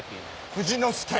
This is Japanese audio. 富士の介？